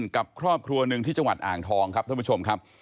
กับครอบครัวหนึ่งที่จังหวัดอ่างทองครับท่านผู้ชมครับ